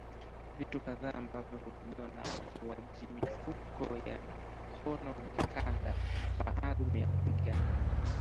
Vitu kadhaa ambavyo hutumiwa na wauajimifuko ya mikonomikanda maalumu ya kupigana